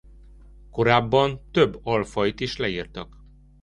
Korábban több alfajt is leírtak.